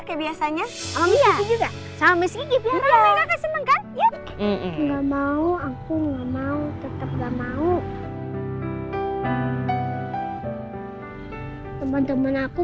kayak biasanya om juga sama miskinnya nggak mau aku nggak mau tetap nggak mau teman teman aku